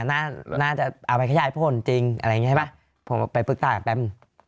อ่าน่าจะเอาไปขยายพ่นจริงอะไรอย่างงี้ใช่ปะผมไปฟึกต้าแป้ม